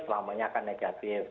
selamanya akan negatif